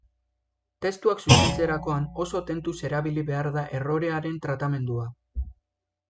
Testuak zuzentzerakoan oso tentuz erabili behar da errorearen tratamendua.